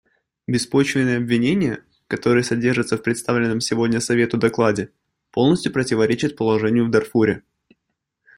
Беспочвенные обвинения, которые содержатся в представленном сегодня Совету докладе, полностью противоречат положению в Дарфуре.